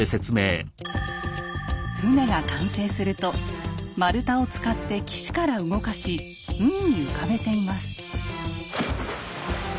船が完成すると丸太を使って岸から動かし海に浮かべています。